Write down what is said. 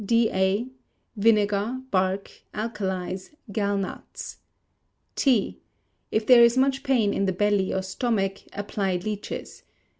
D.A. Vinegar, bark, alkalies, gall nuts. T. If there is much pain in the belly or stomach, apply leeches.